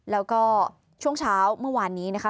แล้วก็ช่วงเช้าเมื่อวานนี้นะคะ